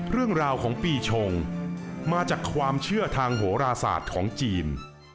เรื่องราวของปีชงมาจากความเชื่อทางโหราศาสตร์ของจีน